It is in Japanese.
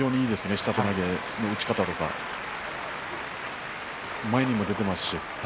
下手投げの打ち方とか前にも出ていますし。